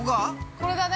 ◆これだね。